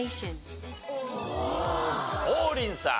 王林さん。